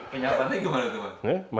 kenyataannya gimana teman